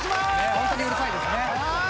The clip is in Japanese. ホントにうるさいですね。